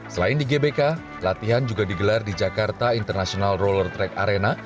selain di gbk latihan juga digelar di jakarta international roller track arena